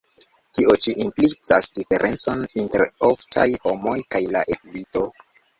Tio ĉi implicas diferencon inter oftaj homoj kaj la elito.